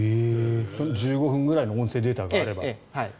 １５分ぐらいの音声データがあれば。